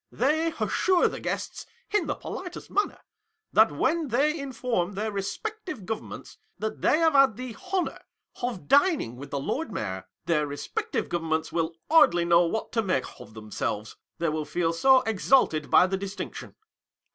They assure the guests, in the politest manner, that when they inform their respective governments that they have had the honour of dining with the Lord Mayor, their respective govern ments will hardly know what to make of themselves, they will feel so exalted by the distinction.